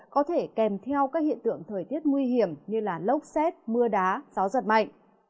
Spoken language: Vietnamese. có thể kèm theo các hiện tượng thời tiết nguy hiểm như lốc xét mưa đá gió giật mạnh